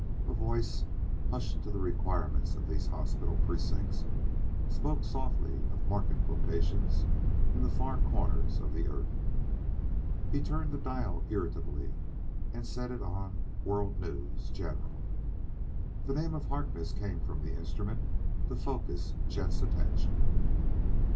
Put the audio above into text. A voice, hushed to the requirements of these hospital precincts spoke softly of market quotations in the far corners of the earth. He turned the dial irritably and set it on "World News General." The name of Harkness came from the instrument to focus Chet's attention.